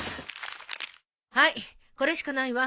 はいこれしかないわ。